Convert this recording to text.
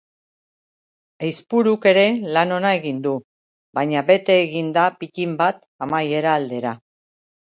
Aizpuruk ere lan ona egin du, baina bete egin da pittin bat amaiera aldera.